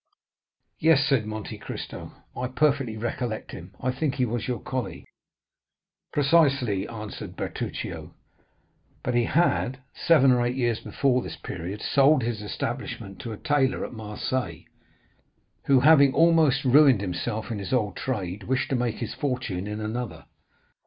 "Yes," said Monte Cristo "I perfectly recollect him; I think he was your colleague." "Precisely," answered Bertuccio; "but he had, seven or eight years before this period, sold his establishment to a tailor at Marseilles, who, having almost ruined himself in his old trade, wished to make his fortune in another.